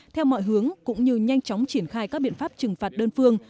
theo mọi hướng cũng như nhanh chóng triển khai các biện pháp trừng phạt đơn phương